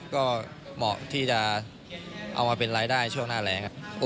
ก็เหมาะที่จะเอามาเป็นรายได้ช่วงหน้าแรงครับ